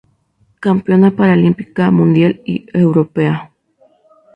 Campeona paralímpica, mundial y europea.